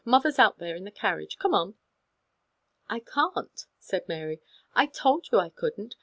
Mother's out there in the carriage. Come on." " I can't," said Mary. " I told you I couldn't.